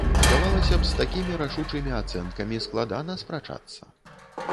Здавалася б, з такімі рашучымі ацэнкамі складана спрачацца.